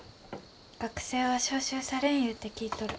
学生は召集されんいうて聞いとる。